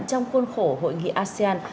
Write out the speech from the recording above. trong khuôn khổ hội nghị asean